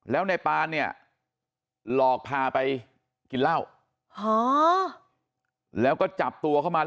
แล้วในปานเนี่ยหลอกพาไปกินเหล้าแล้วก็จับตัวเข้ามา